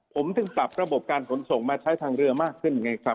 ผมถึงปรับระบบการขนส่งมาใช้ทางเรือมากขึ้นไงครับ